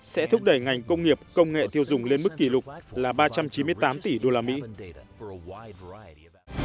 sẽ thúc đẩy ngành công nghiệp công nghệ tiêu dùng lên mức kỷ lục là ba trăm chín mươi tám tỷ usd